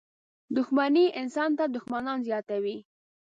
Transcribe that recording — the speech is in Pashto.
• دښمني انسان ته دښمنان زیاتوي.